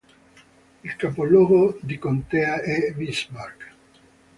Il capoluogo di contea è Bismarck.